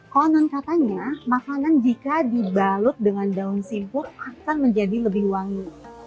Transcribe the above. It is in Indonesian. konon katanya makanan jika dibalut dengan daun simpuk akan menjadi lebih wangi